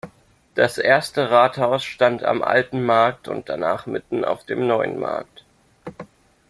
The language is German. Das erste Rathaus stand am Alten Markt und danach mitten auf dem Neuen Markt.